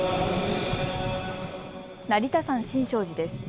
成田山新勝寺です。